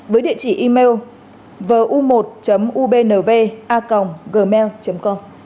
với địa chỉ email vu một ubnb a gmail com